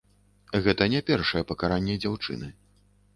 Гэта не першае пакаранне дзяўчыны.